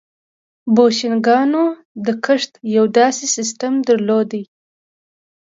بوشنګانو د کښت یو داسې سیستم درلود.